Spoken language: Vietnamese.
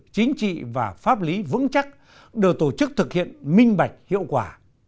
chính trị và pháp lý vững chắc được tổ chức thực hiện minh bạch hiệu quả